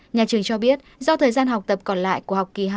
nhà trường cho biết do thời gian học tập còn lại của học kỳ hai